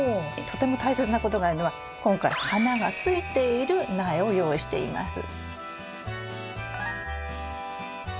とても大切なことがあるのは今回花がついている苗を用意しています。